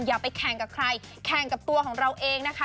อย่าไปแข่งกับใครแข่งกับตัวของเราเองนะคะ